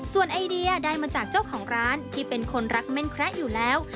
ส่วนไอเดียได้มาจากเจ้าของร้านที่เป็นคนรักแม่นแคระอยู่แล้ว